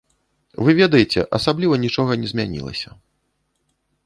Вы ведаеце, асабліва нічога не змянілася.